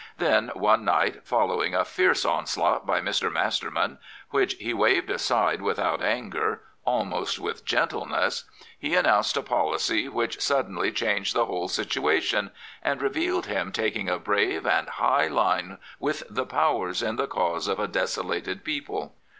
Then one night, following a fierce onslaught by Mr. Master man, which he waved aside without anger, almost with gentleness, he announced a policy which suddenly changed the whole situation, and revealed him taking a brave and high line with the Powers in the cause of a desolated people.